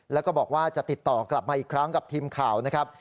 แล้วก็บอกว่าจะติดต่อกลับมาอีกครั้งกับทีมข่าวนะครับ